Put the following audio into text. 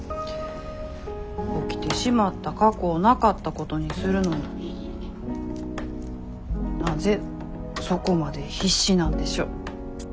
起きてしまった過去をなかったことにするのになぜそこまで必死なんでしょう。